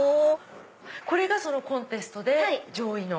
これがそのコンテストで上位の。